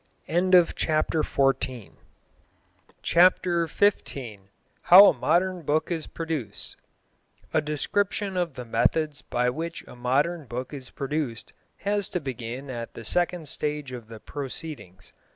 CHAPTER XV HOW A MODERN BOOK IS PRODUCED A description of the methods by which a modern book is produced has to begin at the second stage of the proceedings.